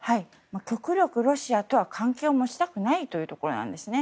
極力ロシアとは関係を持ちたくないところなんですね。